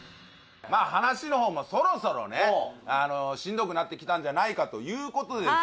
まあ話の方もそろそろねしんどくなってきたんじゃないかということでですね